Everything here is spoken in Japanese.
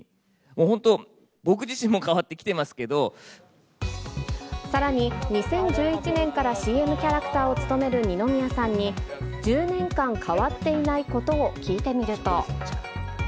本当、さらに、２０１１年からＣＭキャラクターを務める二宮さんに、１０年間変わっていないことを聞いてみると。